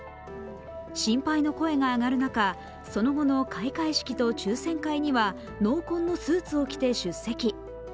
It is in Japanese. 心配の声が上がる中、その後の開会式と抽選会には濃紺のスーツを着て出席。